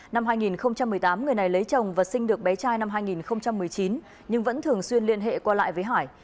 năm hai nghìn một mươi tám người này lấy chồng và sinh được bé trai năm hai nghìn một mươi chín nhưng vẫn thường xuyên liên hệ qua lại với hải